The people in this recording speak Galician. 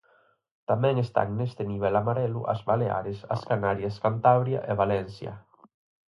Tamén están neste nivel amarelo as Baleares, as Canarias, Cantabria e Valencia.